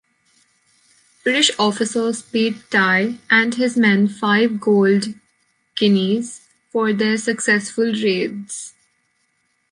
British officers paid Tye and his men five gold guineas for their successful raids.